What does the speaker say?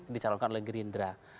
dicalonkan oleh gerindra